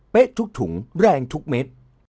ทุกถุงแรงทุกเม็ด